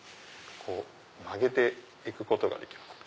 曲げて行くことができます。